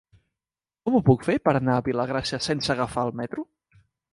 Com ho puc fer per anar a Vilagrassa sense agafar el metro?